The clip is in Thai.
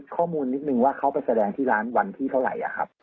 เข้าไปแสดงที่ร้านวันที่เท่าไหร่ครับ